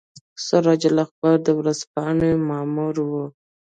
سراج الاخبار د ورځپاڼې مامور وو.